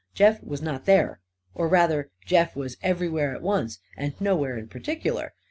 Jeff was not there. Or rather, Jeff was everywhere at once and nowhere in particular.